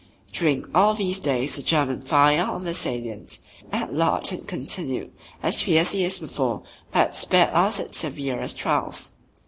During all these days the German fire on the salient at large had continued as fiercely as before but had spared us its severest trials.